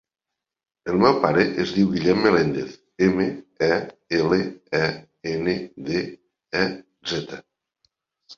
El meu pare es diu Guillem Melendez: ema, e, ela, e, ena, de, e, zeta.